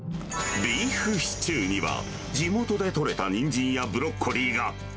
ビーフシチューには、地元で取れたニンジンやブロッコリーが。